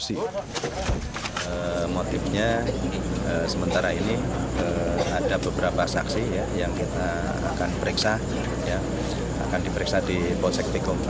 saksi yang diperiksa di polsek tkp